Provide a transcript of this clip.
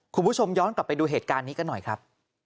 คุณผู้ชมย้อนกลับไปดูเหตุการณ์นี้กันหน่อยครับ